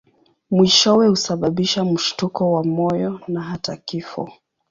Mwishowe husababisha mshtuko wa moyo na hata kifo.